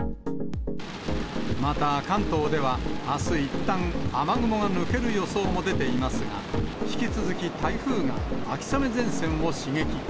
また、関東ではあすいったん、雨雲が抜ける予想も出ていますが、引き続き台風が秋雨前線を刺激。